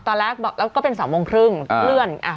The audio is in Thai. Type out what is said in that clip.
ตอนแรกบอกแล้วก็เป็น๒โมงครึ่งเลื่อน